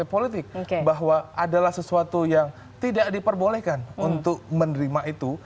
politik bahwa adalah sesuatu yang tidak diperbolehkan untuk menerima itu